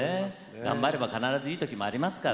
頑張れば必ずいい時もありますから。